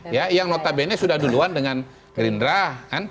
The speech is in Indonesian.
ya yang notabene sudah duluan dengan gerindra